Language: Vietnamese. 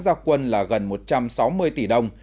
gia quân là gần một trăm sáu mươi tỷ đồng